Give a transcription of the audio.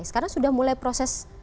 jadi ini mulai proses